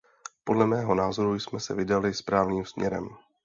Podle mého názoru jsme se vydali správným směrem.